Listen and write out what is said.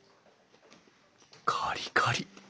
カリカリ！